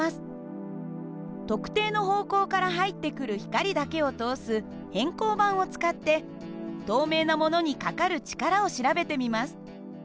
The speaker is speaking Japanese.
特定の方向から入ってくる光だけを通す偏光板を使って透明なものにかかる力を調べてみます。